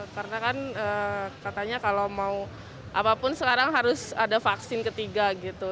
karena kan katanya kalau mau apapun sekarang harus ada vaksin ketiga gitu